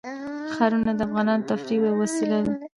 ښارونه د افغانانو د تفریح یوه وسیله ده.